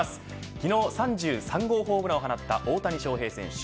昨日３３号ホームランを放った大谷翔平選手。